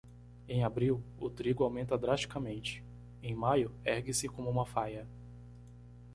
Em abril, o trigo aumenta drasticamente; Em maio, ergue-se como uma faia.